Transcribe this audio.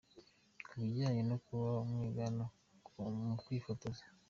Ku bijyanye no kuba amwigana mu kwifotoza.